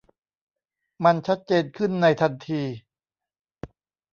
มันชัดเจนขึ้นในทันที